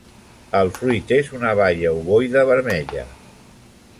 El fruit és una baia ovoide vermella.